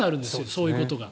そういうことが。